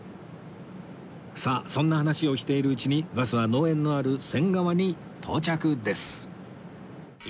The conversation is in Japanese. さあそんな話をしているうちにバスは農園のある仙川に到着です